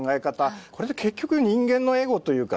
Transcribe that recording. これって結局人間のエゴというかね。